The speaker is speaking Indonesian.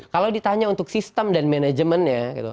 kalau ditanya untuk sistem dan manajemennya